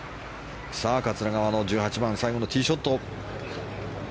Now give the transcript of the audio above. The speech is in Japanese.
桂川の１８番最後のティーショット。